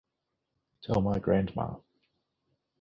Tell my grandma!